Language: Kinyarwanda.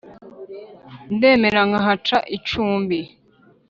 Ndemera nkahaca icumbi.